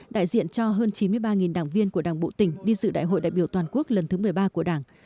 đại diện cho hơn chín mươi ba đảng viên của đảng bộ tỉnh đi dự đại hội đại biểu toàn quốc lần thứ một mươi ba của đảng